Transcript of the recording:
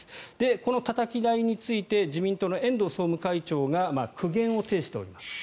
このたたき台について自民党の遠藤総務会長が苦言を呈しております。